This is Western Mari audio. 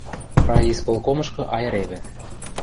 Райисполкомышкы айыревӹ.